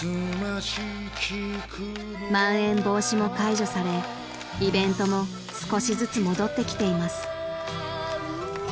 ［まん延防止も解除されイベントも少しずつ戻ってきています］